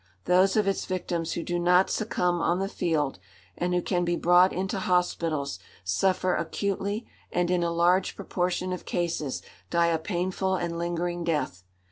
Those of its victims who do not succumb on the field and who can be brought into hospitals suffer acutely and, in a large proportion of cases, die a painful and lingering death.